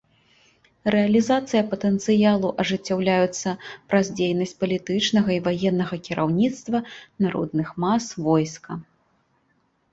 Рэалізацыя патэнцыялу ажыццяўляецца праз дзейнасць палітычнага і ваеннага кіраўніцтва, народных мас, войска.